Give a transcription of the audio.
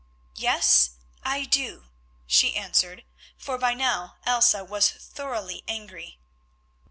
"Yes, I do," she answered, for by now Elsa was thoroughly angry.